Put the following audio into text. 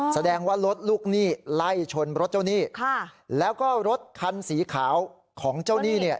แสดงว่ารถลูกหนี้ไล่ชนรถเจ้าหนี้ค่ะแล้วก็รถคันสีขาวของเจ้าหนี้เนี่ย